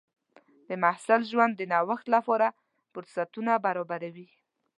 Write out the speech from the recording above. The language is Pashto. د محصل ژوند د نوښت لپاره فرصتونه برابروي.